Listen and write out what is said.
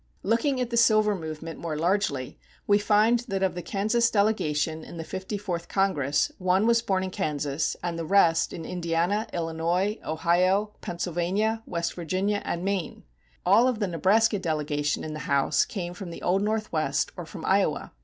[238:1] Looking at the silver movement more largely, we find that of the Kansas delegation in the Fifty fourth Congress, one was born in Kansas, and the rest in Indiana, Illinois, Ohio, Pennsylvania, West Virginia, and Maine. All of the Nebraska delegation in the House came from the Old Northwest or from Iowa.